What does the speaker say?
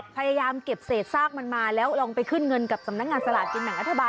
พยายามเก็บเศษซากมันมาแล้วลองไปขึ้นเงินกับสำนักงานสลากกินแบ่งรัฐบาล